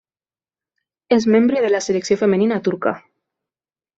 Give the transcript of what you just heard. És membre de la selecció femenina turca.